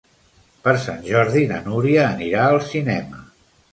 Per Sant Jordi na Núria anirà al cinema.